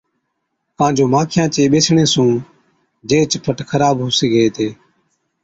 ڪان جو ماکِيان چي ٻيسڻي سُون جيهچ فٽ خراب هُو سِگھي هِتي۔